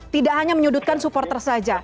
tidak hanya menyudutkan supporter saja